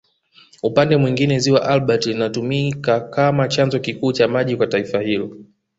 Upande mwingine Ziwa Albert linatumika kama chanzo kikuu cha maji kwa taifa hilo